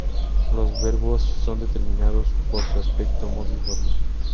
Los verbos son determinados por su aspecto, modo y forma.